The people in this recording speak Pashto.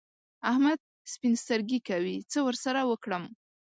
احمد سپين سترګي کوي؛ څه ور سره وکړم؟!